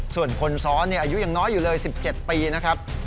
ส่วนคนซ้อนอายุยังน้อยอยู่เลย๑๗ปีนะครับ